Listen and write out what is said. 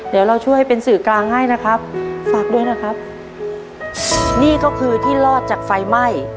เดี๋ยวเราช่วยเป็นสื่อกลางให้นะครับฝากด้วยนะครับนี่ก็คือที่รอดจากไฟไหม้